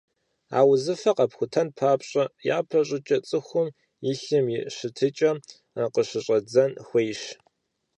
А узыфэр къэпхутэн папщӏэ, япэ щӏыкӏэ цӏыхум и лъым и щытыкӀэм къыщыщӀэдзэн хуейщ.